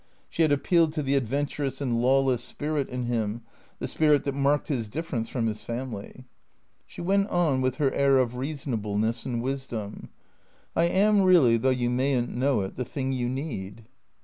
She had appealed to the adventurous and lawless spirit in him, the spirit that marked his difference from his family. She went on with her air of reasonableness and wisdom. " I am really, though you may n't know it, the thing you need."